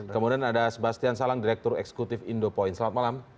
kemudian ada sebastian salang direktur eksekutif indopoint selamat malam